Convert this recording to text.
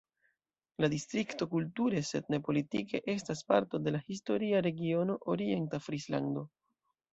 La distrikto kulture, sed ne politike, estas parto de la historia regiono Orienta Frislando.